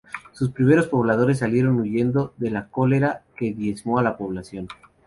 Sus primeros pobladores salieron huyendo del cólera que diezmó la población.